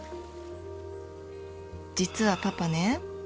実はパパね